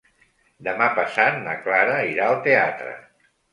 Demà passat na Clara irà al teatre.